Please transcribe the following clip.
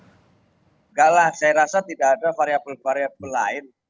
enggak lah saya rasa tidak ada variabel variabel lain